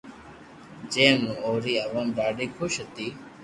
جي مون اوري عوام ڌاڌي خوݾ ھتي